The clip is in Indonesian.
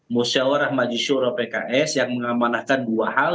musyawarah majisyuroh pks yang mengamanahkan dua hal